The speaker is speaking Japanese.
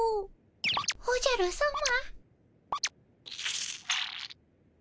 おじゃるさま。